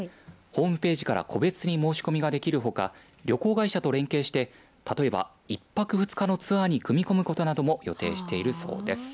ホームページから個別で申し込みができるほか旅行会社と連携して例えば１泊２日のツアーに組み込むことも予定しているそうです。